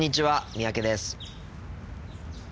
三宅です。